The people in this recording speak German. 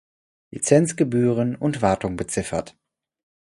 Lizenzgebühren und Wartung beziffert.